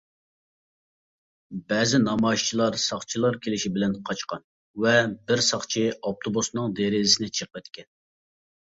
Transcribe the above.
بەزى نامايىشچىلار ساقچىلار كېلىشى بىلەن قاچقان ۋە بىر ساقچى ئاپتوبۇسىنىڭ دېرىزىسىنى چېقىۋەتكەن.